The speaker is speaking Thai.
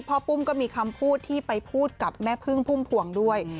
ปุ้มก็มีคำพูดที่ไปพูดกับแม่พึ่งพุ่มพวงด้วย